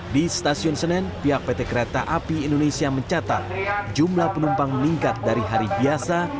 di stasiun senen pihak pt kereta api indonesia mencatat jumlah penumpang meningkat dari hari biasa